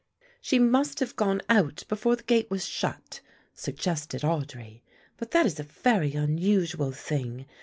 "She must have gone out before the gate was shut," suggested Audry, "but that is a very unusual thing.